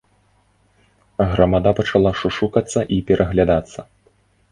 Грамада пачала шушукацца і пераглядацца.